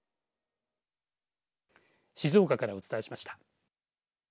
静岡からお伝えしました。